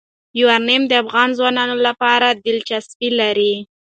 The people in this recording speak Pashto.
یورانیم د افغان ځوانانو لپاره دلچسپي لري.